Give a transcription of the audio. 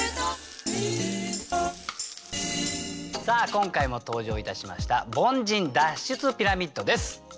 さあ今回も登場いたしました凡人脱出ピラミッドです。